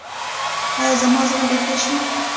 ایا زما زړه به ښه شي؟